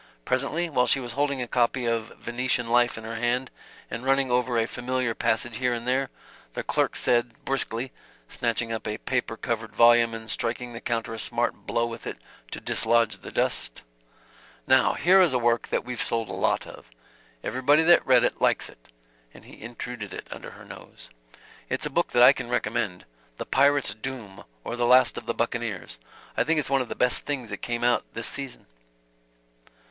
Presently, while she was holding a copy of "Venetian Life" in her hand and running over a familiar passage here and there, the clerk said, briskly, snatching up a paper covered volume and striking the counter a smart blow with it to dislodge the dust: "Now here is a work that we've sold a lot of. Everybody that's read it likes it" and he intruded it under her nose; "it's a book that I can recommend 'The Pirate's Doom, or the Last of the Buccaneers.' I think it's one of the best things that's come out this season."